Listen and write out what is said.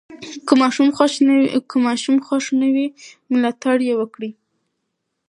که ماشوم خوښ نه وي، ملاتړ یې وکړئ.